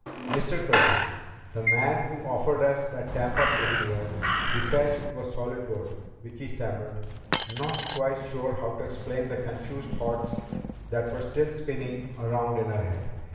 "Mr. Curtin the man who offered us that Tampa souvenir he said it was solid gold " Vicki stammered, not quite sure how to explain the confused thoughts that were still spinning around in her head.